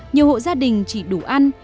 nhiều hộ gia đình chỉ đủ ăn